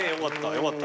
よかった。